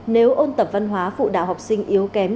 nếu ôn tập văn hóa phụ đạo học sinh yếu kém